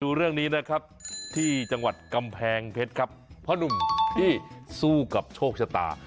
ดูเรื่องนี้นะครับที่จังหวัดกำแพงเพชรครับพ่อนุ่มที่สู้กับโชคชะตา